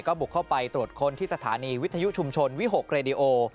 บุกเข้าไปตรวจค้นที่สถานีวิทยุชุมชนวิหกเรดิโอ